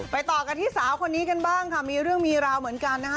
ต่อกันที่สาวคนนี้กันบ้างค่ะมีเรื่องมีราวเหมือนกันนะคะ